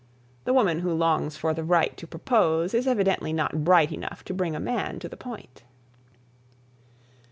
The woman who longs for the right to propose is evidently not bright enough to bring a man to the point.